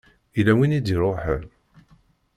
Yella win i d-iṛuḥen.